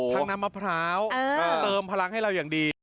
น้ำมะพร้าวเติมพลังให้เราอย่างดี